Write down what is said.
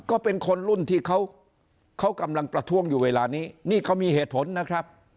ก็เป็นคนรุ่นที่เขาเขากำลังประท้วงอยู่เวลานี้นี่เขามีเหตุผลนะครับ